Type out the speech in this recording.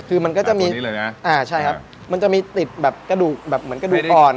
คือมันก็จะมีเลยนะอ่าใช่ครับมันจะมีติดแบบกระดูกแบบเหมือนกระดูกอ่อน